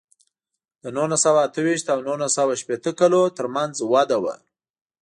د نولس سوه اته ویشت او نولس سوه شپېته کلونو ترمنځ وده وه.